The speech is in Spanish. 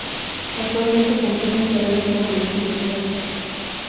Actualmente compite en carreras con vehículos clásicos.